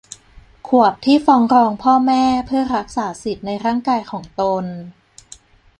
ขวบที่ฟ้องร้องพ่อแม่เพื่อรักษาสิทธิ์ในร่างกายของตน